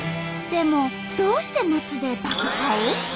でもどうして街で爆破を？